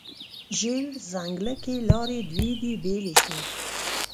زیړ ځنګله کې لارې دوې دي، بیلې شوې